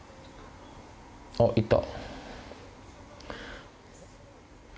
あっ行った。